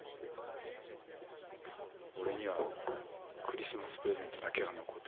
俺にはクリスマスプレゼントだけが残ってた。